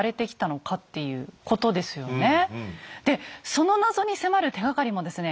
その謎に迫る手がかりもですね